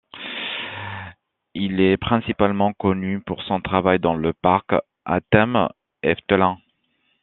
Il est principalement connu pour son travail dans le parc à thèmes Efteling.